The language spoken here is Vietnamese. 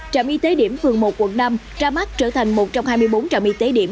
trạm y tế điểm phường một quận năm ra mắt trở thành một trong hai mươi bốn trạm y tế điểm